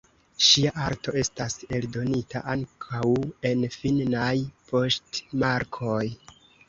Ŝia arto estas eldonita ankaŭ en finnaj poŝtmarkoj.